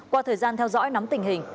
qua thời gian theo dõi nắm tình hình